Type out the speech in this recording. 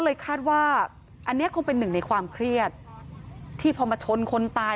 เลยคาดว่าอันนี้คงเป็นหนึ่งในความเครียดที่พอมาชนคนตาย